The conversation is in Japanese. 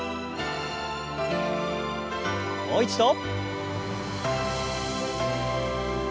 もう一度。